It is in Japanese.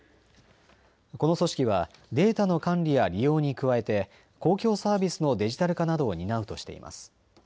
この組織はデータの管理や利用に加えて公共サービスのデジタル化などを担うとしています。